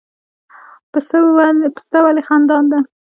پسته ولې خندان ده؟